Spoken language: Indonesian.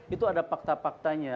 itu ada fakta faktanya